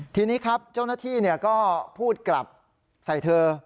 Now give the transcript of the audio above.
ทีนี้ครับเจ้าหน้าที่ก็พูดกลับใส่เธอ